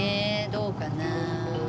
どうかな？